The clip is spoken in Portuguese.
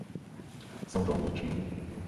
São João do Tigre